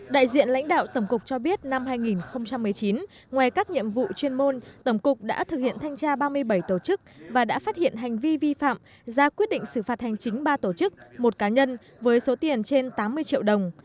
đại diện lãnh đạo tổng cục cho biết năm hai nghìn một mươi chín ngoài các nhiệm vụ chuyên môn tổng cục đã thực hiện thanh tra ba mươi bảy tổ chức và đã phát hiện hành vi vi phạm ra quyết định xử phạt hành chính ba tổ chức một cá nhân với số tiền trên tám mươi triệu đồng